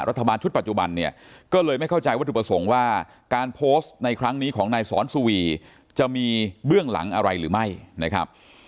รัฐบาลชุดปัจจุบันเนี่ยก็เลยไม่เข้าใจวัตถุประสงค์ว่าการโพสต์ในครั้งนี้ของนายสอนสุวีจะมีเบื้องหลังอะไรหรือไม่นะครับ